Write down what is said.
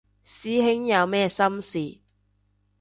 師兄有咩心事